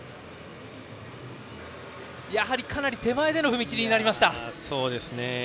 やはり、かなり手前での踏み切りになりました。